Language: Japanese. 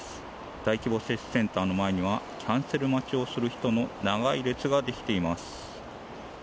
大規模接種センターの前にはキャンセル待ちをする人の長い列ができています。